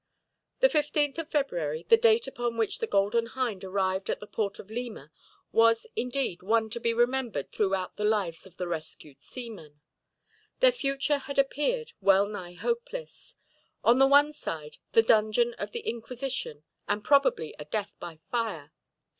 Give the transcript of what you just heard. The 15th of February, the date upon which the Golden Hind arrived at the port of Lima, was indeed one to be remembered throughout the lives of the rescued seamen. Their future had appeared well nigh hopeless. On the one side, the dungeon of the Inquisition and probably a death by fire.